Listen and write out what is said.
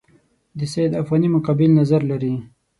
د سید افغاني مقابل نظر لري.